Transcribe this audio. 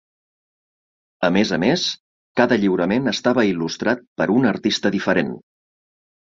A més a més, cada lliurament estava il·lustrat per un artista diferent.